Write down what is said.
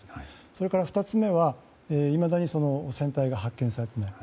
それから２つ目は、いまだに船体が発見されていない。